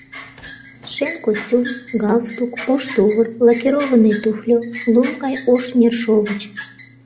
Шем костюм, галстук, ош тувыр, лакированный туфльо, лум гай ош нершовыч.